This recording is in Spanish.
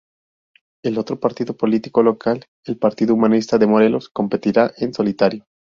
El otro partido político local, el Partido Humanista de Morelos, competirá en solitario.